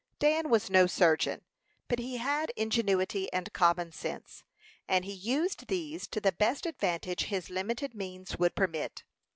Dan was no surgeon, but he had ingenuity and common sense, and he used these to the best advantage his limited means would permit.